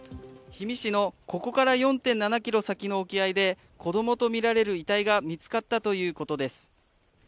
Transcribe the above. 氷見市のここから４．７ｋｍ先の沖合で子供とみられる遺体が見つかったということです。